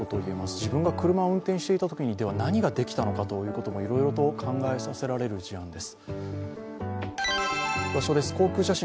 自分が車を運転していたとしたら何ができたのかいろいろと考えさせられる事件です。